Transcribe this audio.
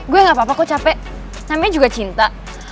gue gak apa apa kok capek namanya juga cinta